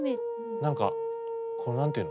何かこう何て言うの。